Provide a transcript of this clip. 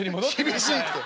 「厳しいって。